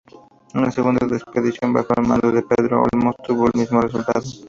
Una segunda expedición, bajo el mando de Pedro Olmos, tuvo el mismo resultado.